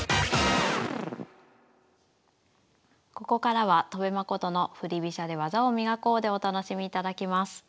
ここからは「戸辺誠の振り飛車で技を磨こう！」でお楽しみいただきます。